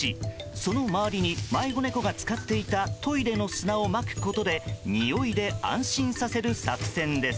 その周りに迷子猫が使っていたトイレの砂をまくことでにおいで安心させる作戦です。